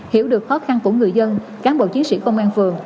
hiểu được khó khăn của người dân cán bộ chiến sĩ công an phường